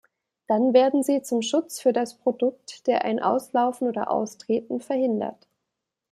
Dann werden sie zum Schutz für das Produkt, der ein Auslaufen oder Austreten verhindert.